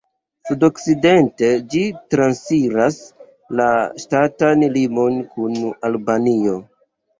Sudokcidente ĝi transiras la ŝtatan limon kun Albanio.